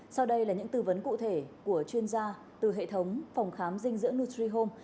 sau đây là những tư vấn cụ thể của chuyên gia từ hệ thống phòng khám dinh dưỡng nutrihome